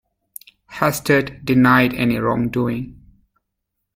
Hastert denied any wrongdoing.